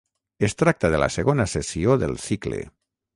Es tracta de la segona sessió del cicle.